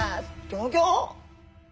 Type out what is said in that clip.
ギョギョ！